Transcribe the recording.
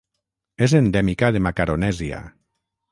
És endèmica de Macaronèsia.